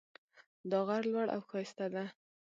دا غر لوړ او ښایسته ده